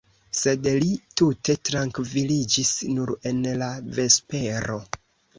Sed li tute trankviliĝis nur en la vespero.